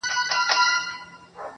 ما ويل څه به مي احوال واخلي.